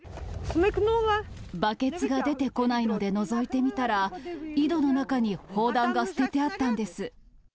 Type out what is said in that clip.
バケツが出てこないのでのぞいてみたら、井戸の中に砲弾が捨ててあったんです。